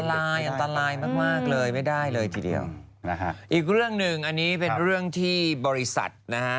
อันตรายอันตรายมากมากเลยไม่ได้เลยทีเดียวนะฮะอีกเรื่องหนึ่งอันนี้เป็นเรื่องที่บริษัทนะฮะ